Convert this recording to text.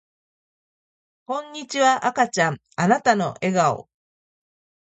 こんにちは赤ちゃんあなたの笑顔